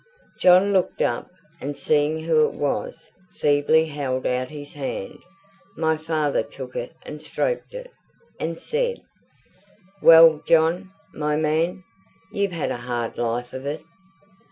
John looked up, and seeing who it was, feebly held out his hand. My father took it and stroked it, and said: "Well, John, my man, you've had a hard life of it."